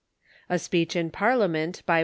A speech in Parliament by Wm.